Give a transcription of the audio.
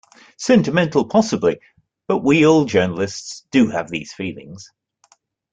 Sentimental, possibly, but we old journalists do have these feelings.